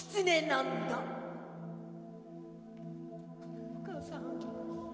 お母さん。